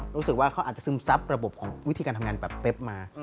รู้สึกว่าเขาอาจจะซึมซับระบบของวิธีการทำงานแบบเป๊บมา